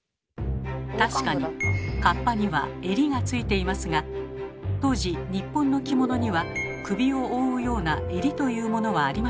確かにかっぱには襟がついていますが当時日本の着物には首を覆うような襟というものはありませんでした。